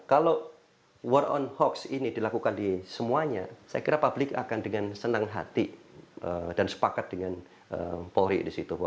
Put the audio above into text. kalau war on hoax ini dilakukan di semuanya saya kira publik akan dengan senang hati dan sepakat dengan polri di situ